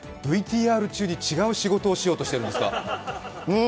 ＶＴＲ中に違う仕事をしようとしてるんですか？